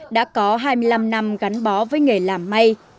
đã có hai mươi năm năm gắn bó với nghề làm may